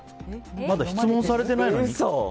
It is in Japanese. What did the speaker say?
まだ質問されてないのに。